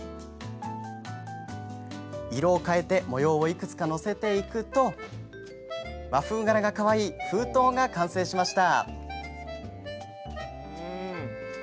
色を変えて模様をいくつか載せていくと和風柄がかわいい封筒が完成しました。